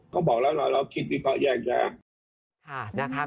เค้าบอกแล้วเราคิดที่เค้าแย่งใช่ไหม